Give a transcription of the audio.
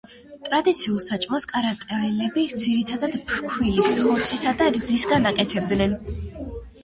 ტრადიციულ საჭმელს კარატაელები ძირითადად ფქვილის, ხორცისა და რძისაგან აკეთებდნენ.